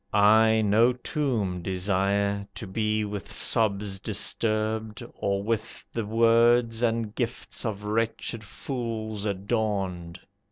I no tomb Desire, to be with sobs disturbed, or with The words and gifts of wretched fools adorned.